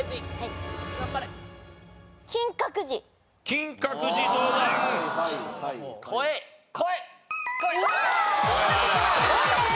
金閣寺は５位です。